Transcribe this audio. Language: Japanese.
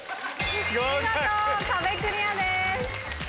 見事壁クリアです。